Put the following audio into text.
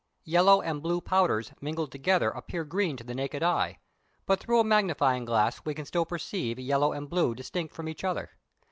Yellow and blue powders mingled together appear green to the naked eye, but through a magnifying glass we can still perceive yellow and blue distinct from each other.